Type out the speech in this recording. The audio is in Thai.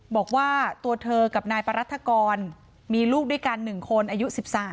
บอกว่าตัวเธอกับนายปรัฐกรมีลูกด้วยกัน๑คนอายุ๑๓